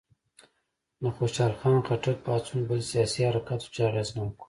د خوشحال خان خټک پاڅون بل سیاسي حرکت و چې اغېزناک و.